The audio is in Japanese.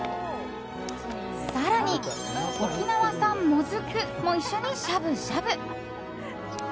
更に沖縄産モズクも一緒にしゃぶしゃぶ。